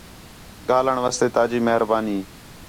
ڳاہلݨ واسطے تا جی مہربانی